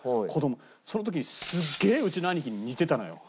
その時にすっげえうちの兄貴に似てたのよ。